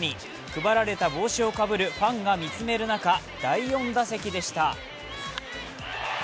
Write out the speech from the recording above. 配られた帽子をかぶるファンが見つめる中第４打席でした。